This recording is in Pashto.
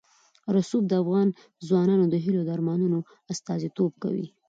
رسوب د افغان ځوانانو د هیلو او ارمانونو استازیتوب کوي.